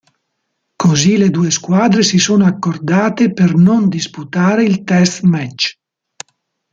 Così le due squadre si sono accordate per non disputare il test match.